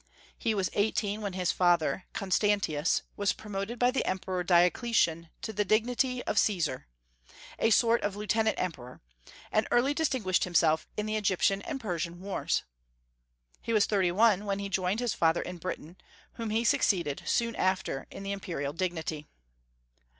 He was eighteen when his father, Constantius, was promoted by the Emperor Diocletian to the dignity of Caesar, a sort of lieutenant emperor, and early distinguished himself in the Egyptian and Persian wars. He was thirty one when he joined his father in Britain, whom he succeeded, soon after, in the imperial dignity.